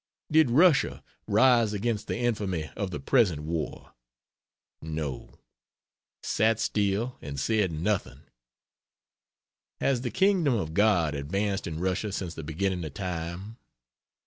Did Russia rise against the infamy of the present war? No sat still and said nothing. Has the Kingdom of God advanced in Russia since the beginning of time?